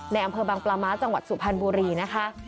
ในอำเภอบางปลาม้าจังหวัดสุพรรณบุรีนะคะ